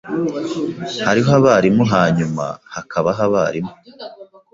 Hariho abarimu hanyuma hakabaho abarimu.